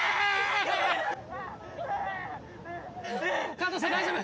加藤さん大丈夫？